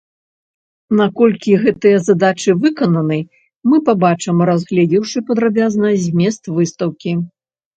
Наколькі гэтыя задачы выкананы, мы пабачым, разгледзеўшы падрабязна змест выстаўкі.